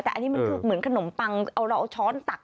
แต่อันนี้มันคือเหมือนขนมปังเอาเราเอาช้อนตัก